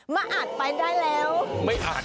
มหาดไปได้แล้ว